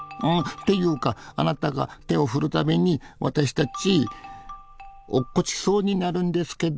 っていうかあなたが手を振る度に私たち落っこちそうになるんですけど。